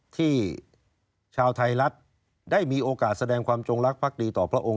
ที่ชาวไทยรัฐได้มีโอกาสแสดงความจงรักภักดีต่อพระองค์